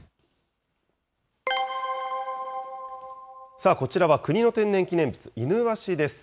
さあ、こちらは国の天然記念物、イヌワシです。